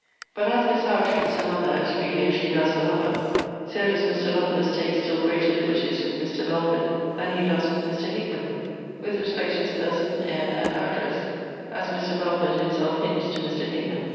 But, as Miss Howe treats her mother as freely as she does her lover; so does Mr. Lovelace take still greater liberties with Mr. Belford than he does with Mr. Hickman, with respect to his person, air, and address, as Mr. Belford himself hints to Mr. Hickman.